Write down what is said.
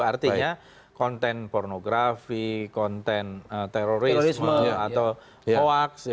artinya konten pornografi konten terorisme atau hoax